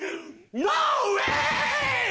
ノーウェイ！